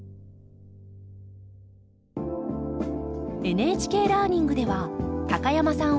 「ＮＨＫラーニング」では高山さん